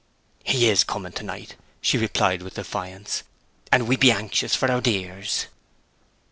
"He is coming to night," she replied, with defiance. "And we be anxious for our dears."